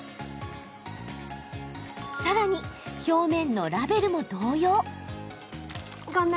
さらに表面のラベルも同様。